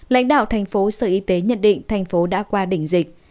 lãnh đạo thành phố sở y tế nhận định thành phố đã qua đỉnh dịch